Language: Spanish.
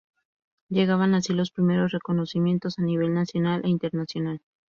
Llegaban así los primeros reconocimientos a nivel Nacional e Internacional.